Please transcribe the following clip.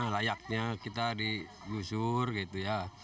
layaknya kita digusur gitu ya